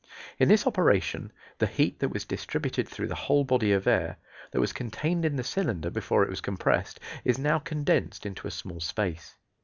In this operation the heat that was distributed through the whole body of air, that was contained in the cylinder before it was compressed, is now condensed into a small space.